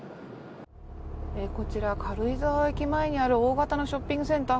こちら、軽井沢駅前にある大型のショッピングセンター。